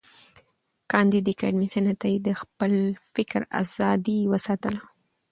کانديد اکاډميسن عطایي د خپل فکر آزادی وساتله.